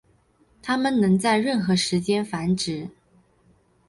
它们能在任何时间繁殖。